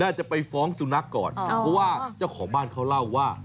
จะไปฟ้องสุนัขก่อนเพราะว่าเจ้าของบ้านเขาเล่าว่า